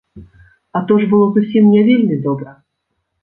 А то ж было зусім не вельмі добра.